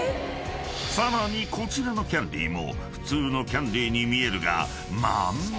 ［さらにこちらのキャンディも普通のキャンディに見えるがまんま